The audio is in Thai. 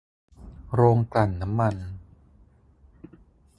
โรงกลั่นน้ำมัน